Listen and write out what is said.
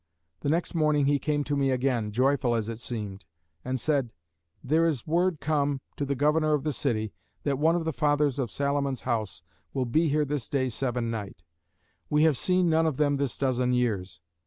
The next morning he came to me again, joyful as it seemed, and said; "There is word come to the Governor of the city, that one of the Fathers of Salomon's House will be here this day seven night: we have seen none of them this dozen years.